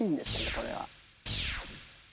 これは。